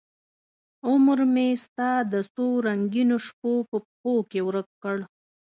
عمرمې ستا د څورنګینوشپو په پښوکې ورک کړ